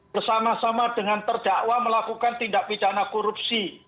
bersama sama dengan terdakwa melakukan tindak pidana korupsi